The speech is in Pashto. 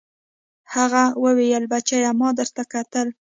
هغه وويل بچيه ما درته کتل.